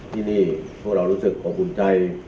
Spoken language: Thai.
ที่นี่พวกเรารู้สึกอบอุ่นใจ